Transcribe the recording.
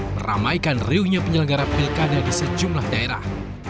meramaikan riuhnya penyelenggara pilkada di sejumlah daerah